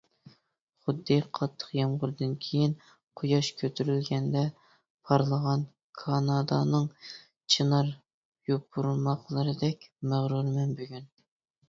خۇددى قاتتىق يامغۇردىن كېيىن قۇياش كۆتۈرۈلگەندە پارلىغان كانادانىڭ چىنار يوپۇرماقلىرىدەك مەغرۇرمەن بۈگۈن.